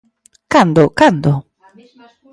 ¿Cando, cando?